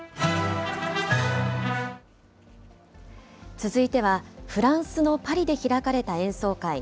続いては、フランスのパリで開かれた演奏会。